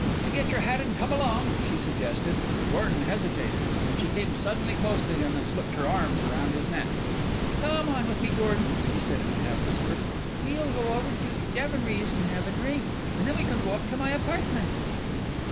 "Then get your hat and come along," she suggested. Gordon hesitated and she came suddenly close to him and slipped her arms around his neck. "Come on with me, Gordon," she said in a half whisper. "We'll go over to Devineries' and have a drink, and then we can go up to my apartment."